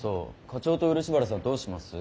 課長と漆原さんどうします？